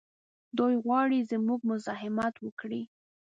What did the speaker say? دوی غواړي زموږ مزاحمت وکړي.